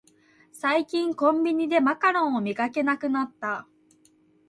最近コンビニでマカロンを見かけなくなった